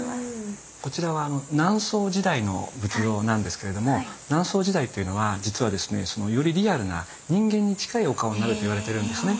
こちらは南宋時代の仏像なんですけれども南宋時代というのは実はですねよりリアルな人間に近いお顔になるといわれてるんですね。